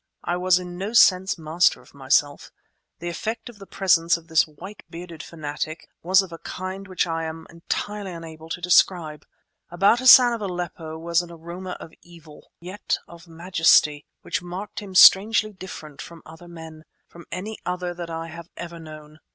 I was in no sense master of myself; the effect of the presence of this white bearded fanatic was of a kind which I am entirely unable to describe. About Hassan of Aleppo was an aroma of evil, yet of majesty, which marked him strangely different from other men—from any other that I have ever known.